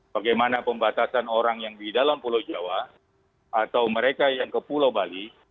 bagaimana pembatasan orang yang di dalam pulau jawa atau mereka yang ke pulau bali